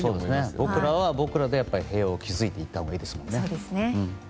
僕らは僕らで平和を築いていったほうがいいですね。